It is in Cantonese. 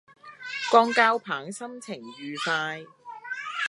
江交棒心情愉快